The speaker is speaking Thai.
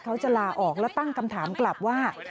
เขาจะลาออกแล้วตั้งคำถามกลับว่า